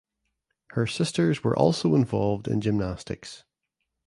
Her sisters were also involved in gymnastics.